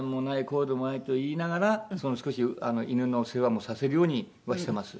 こうでもないと言いながら少し犬の世話もさせるようにはしてます。